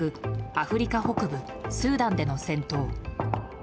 アフリカ北部スーダンでの戦闘。